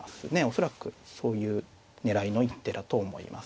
恐らくそういう狙いの一手だと思います。